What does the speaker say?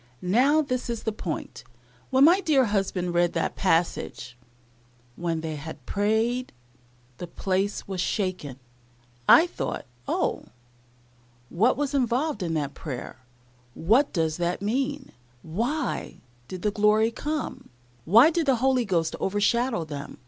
Now this is the point, when my dear husband read that passage, "When they had prayed, the place was shaken," I thought, Oh! what was involved in that prayer what does that mean? Why did the glory come? Why did the Holy Ghost overshadow them?